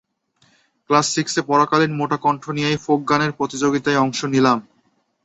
Class সিক্সে পড়াকালীন মোটা কণ্ঠ নিয়েই ফোক গানের প্রতিযোগিতায় অংশ নিলাম।